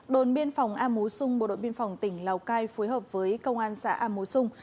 đồn biên phòng a múi sung bộ đội biên phòng tỉnh lào cai phối hợp với công an xã a múi sung